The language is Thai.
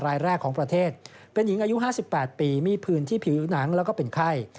รายแรกของประเทศเป็นหญิงอายุ๕๘ปีมีผืนที่ผิวหนังแล้วก็เป็นไข้